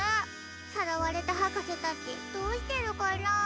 さらわれたはかせたちどうしてるかな？